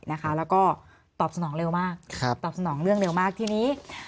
แล้วก็ตอบสนองเร็วมากตอบสนองเรื่องเร็วมากทีนี้